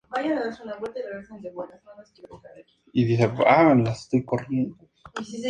Es miembro de la Academia Americana de las Artes y las Ciencias.